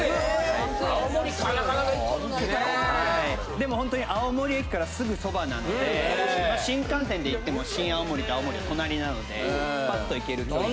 でもほんとに青森駅からすぐそばなので新幹線で行っても新青森と青森の隣なのでパッと行ける距離で。